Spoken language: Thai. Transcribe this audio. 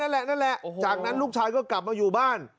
นั่นแหละนั่นแหละจากนั้นลูกชายก็กลับมาอยู่บ้าน